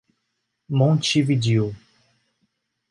Montividiu